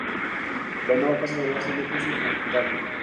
La nueva casa debía ser lujosa y confortable.